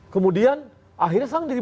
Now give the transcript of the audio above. kemudian akhirnya sangat diri